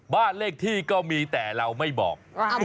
บ้านเลขที่ก็มีแต่เราไม่บอก